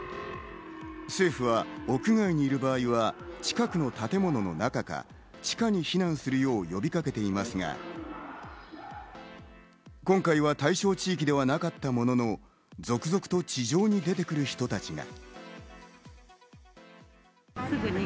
政府は屋外にいる場合は近くの建物の中か地下に避難するよう呼びかけていますが、今回は対象地域でなかったものの、続々と地上に出てくる人たちが。